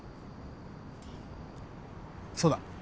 そうだ。